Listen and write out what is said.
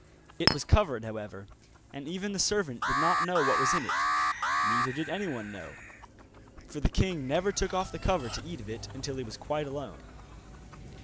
It was covered, however, and even the servant did not know what was in it, neither did anyone know, for the king never took off the cover to eat of it until he was quite alone.